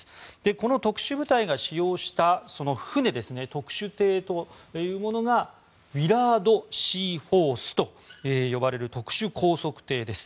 この特殊部隊が使用したその船、特殊艇というものがウィラード・シーフォースと呼ばれる特殊高速艇です。